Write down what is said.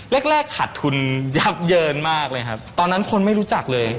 เล็กขาดทุนเยอะเยินมากเลยตอนนั้นคนไม่รู้จักเลย